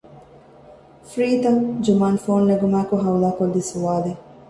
ފްރީތަ؟ ޖުމާން ފޯނު ނެގުމާއެކު ހައުލާ ކޮށްލީ ސްވާލެއް